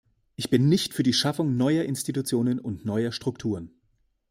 Ich bin nicht für die Schaffung neuer Institutionen und neuer Strukturen.